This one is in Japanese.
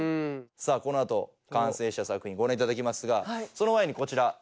さぁこの後完成した作品ご覧いただきますがその前にこちら。